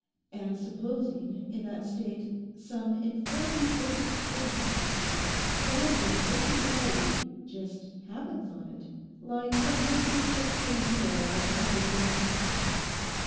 And supposing in that state some infernally potent thing outside it, wandering disembodied, just happens on it—like some hungry sexton beetle on the carcase of a mouse.